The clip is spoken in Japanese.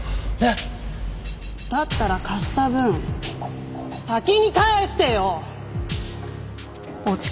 だったら貸した分先に返してよ！